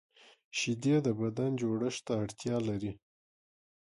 شیدې د بدن جوړښت ته اړتیا لري